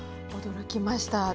驚きました。